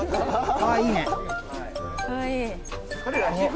かわいい。